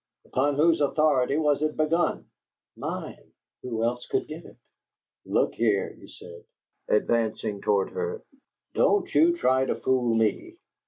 "Upon whose authority was it begun?" "Mine. Who else could give it?" "Look here," he said, advancing toward her, "don't you try to fool me!